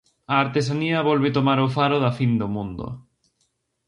A artesanía volve tomar o faro da fin do mundo.